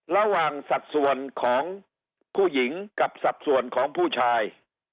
ระหว่างสักส่วนของผู้หญิงกับสักส่วนของผู้ชาย